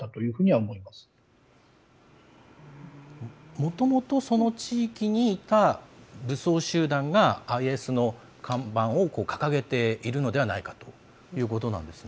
もともとその地域にいた武装集団がＩＳの看板を掲げているのではないかということなんですね。